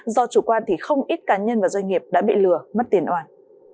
do chủ quan thì không ít cá nhân và doanh nghiệp đã bị lừa mất tiền oan